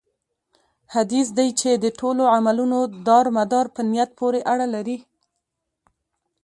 حديث دی چې: د ټولو عملونو دار مدار په نيت پوري اړه لري